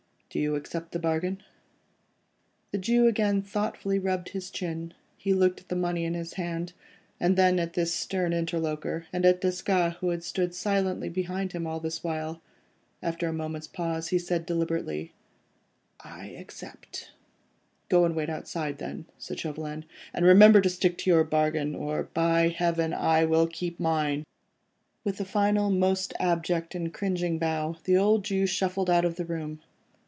Do you accept the bargain?" The Jew again thoughtfully rubbed his chin. He looked at the money in his hand, then at his stern interlocutor, and at Desgas, who had stood silently behind him all this while. After a moment's pause, he said deliberately,— "I accept." "Go and wait outside then," said Chauvelin, "and remember to stick to your bargain, or by Heaven, I will keep to mine." With a final, most abject and cringing bow, the old Jew shuffled out of the room.